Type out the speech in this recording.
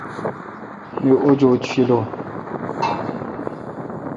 می۔ وجود شیلون۔